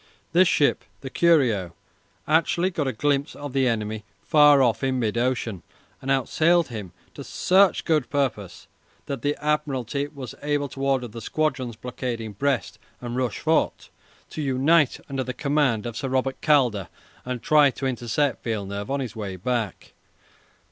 This ship, the "Curieux," actually got a glimpse of the enemy far off in mid ocean, and outsailed him to such good purpose that the Admiralty was able to order the squadrons blockading Brest and Rochefort to unite under the command of Sir Robert Calder and try to intercept Villeneuve on his way back.